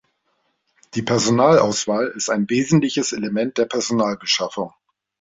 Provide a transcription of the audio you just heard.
Die Personalauswahl ist ein wesentliches Element der Personalbeschaffung.